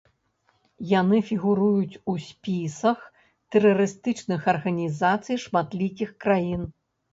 Яны фігуруюць у спісах тэрарыстычных арганізацый шматлікіх краін.